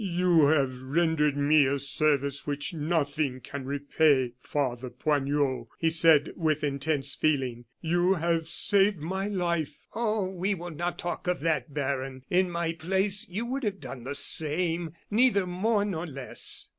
"You have rendered me a service which nothing can repay, Father Poignot," he said, with intense feeling. "You have saved my life." "Oh! we will not talk of that, Baron. In my place, you would have done the same neither more nor less."